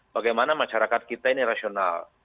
bagaimana masyarakat kita ini rasional